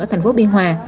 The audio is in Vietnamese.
ở thành phố biên hòa